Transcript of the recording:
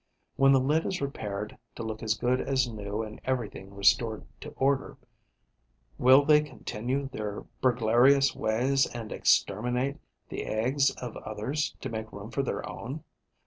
When the lid is repaired to look as good as new and everything restored to order, will they continue their burglarious ways and exterminate the eggs of others to make room for their own?